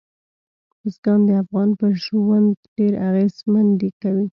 بزګان د افغانانو پر ژوند ډېر اغېزمن کوي.